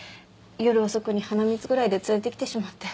夜遅くに鼻水ぐらいで連れてきてしまって。